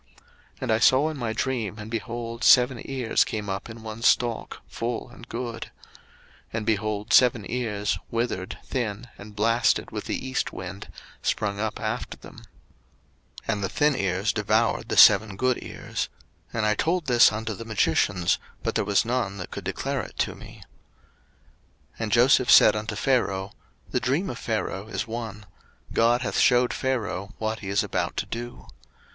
01:041:022 And I saw in my dream, and, behold, seven ears came up in one stalk, full and good: 01:041:023 And, behold, seven ears, withered, thin, and blasted with the east wind, sprung up after them: 01:041:024 And the thin ears devoured the seven good ears: and I told this unto the magicians; but there was none that could declare it to me. 01:041:025 And Joseph said unto Pharaoh, The dream of Pharaoh is one: God hath shewed Pharaoh what he is about to do.